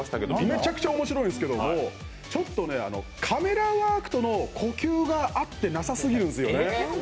めちゃくちゃ面白いんですけども、カメラワークとの呼吸が合ってなさすぎるんですよね。